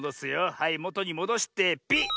はいもとにもどしてピッ！